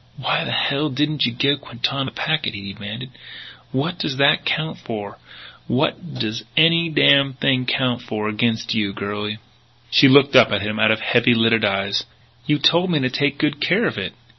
"Why the hell didn't you give Quintana the packet?" he demanded. "What does that count for what does any damn thing count for against you, girlie?" She looked up at him out of heavy lidded eyes: "You told me to take good care of it."